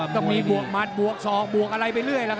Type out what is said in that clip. ต้องมีบวกมัดบวกศอกบวกอะไรไปเรื่อย